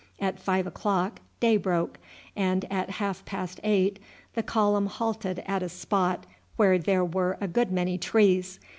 At five o'clock day broke, and at half past eight the column halted at a spot where there were a good many trees.